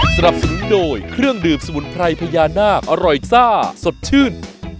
สนับสนุนโดยเครื่องดื่มสมุนไพรพญานาคอร่อยซ่าสดชื่น